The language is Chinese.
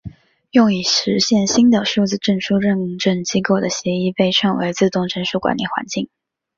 用以实现新的数字证书认证机构的协议被称为自动证书管理环境。